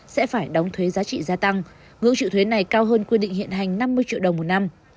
sẽ phải đóng thuế giá trị gia tăng ngưỡng trự thuế này cao hơn quy định hiện hành năm mươi triệu đồng một năm